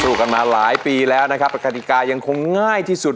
กันมาหลายปีแล้วนะครับปกติกายังคงง่ายที่สุด